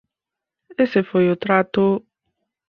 Ese foi o trato...